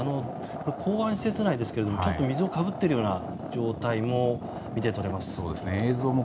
港湾施設内ですけど水をかぶっているような状態も見て取れます。